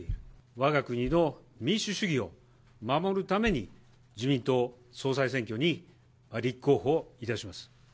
わが国の民主主義を守るために、自民党総裁選挙に立候補いたします。